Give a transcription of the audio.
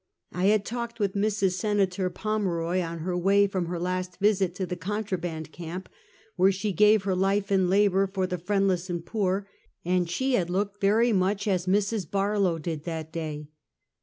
I had talked with Mrs. Senator Pomeroy, on her way from her last visit to the Contraband camp, where she gave her life in labor for the friendless and poor, and she had looked very much as Mrs. Barlow did that day.